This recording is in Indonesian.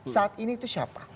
saat ini itu siapa